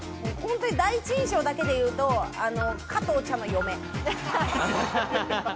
第一印象だけで言うと加藤茶の嫁。